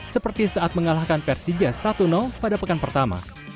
seperti saat mengalahkan persija satu pada pekan pertama